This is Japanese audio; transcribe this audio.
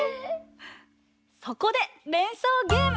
そこでれんそうゲーム！